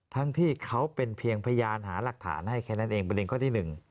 ทั้งที่เขาเป็นเพียงพยานหาหลักฐานให้แค่นั้นเองประเด็นข้อที่๑